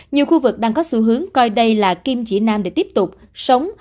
nhiều khu vực đang có xu hướng coi đây là kim chỉ nam để tiếp tục sống